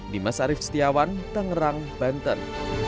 dimas arief setiawan tangerang banten